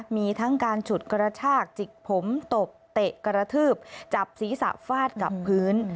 มีทั้งการฉุดกระชากจิกผมตบเตะกระทืบจับศีรษะฟาดกับพื้น